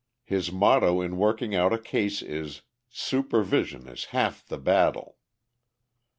His motto in working out a case is, "Supervision is half the battle."